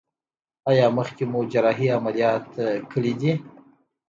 ایا مخکې مو جراحي عملیات کړی دی؟